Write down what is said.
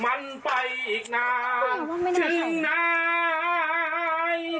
ต้องพอให้เพลงทักมันไปอีกนานจริงนาย